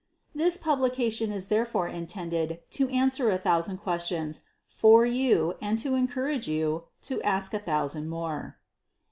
This publication is therefore intended to answer a thousand questions for you and to encourage you to ask a thousand more.